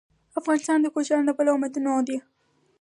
افغانستان د کوچیان له پلوه متنوع دی.